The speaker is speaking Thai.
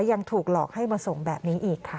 ยังถูกหลอกให้มาส่งแบบนี้อีกค่ะ